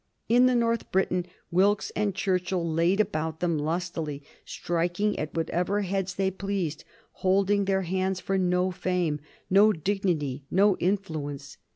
In the North Briton Wilkes and Churchill laid about them lustily, striking at whatever heads they pleased, holding their hands for no fame, no dignity, no influence.